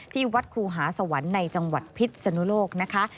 ที่วัดครูหาสวรรค์ในจังหวัดพิษสนุโลกนะคะ